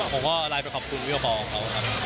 ผมก็รายเป็นขอบคุณวิวบอลของเขาครับ